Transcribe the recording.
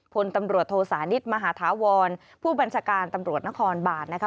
พลตำรวจโทสานิทมหาธาวรผู้บัญชาการตำรวจนครบานนะคะ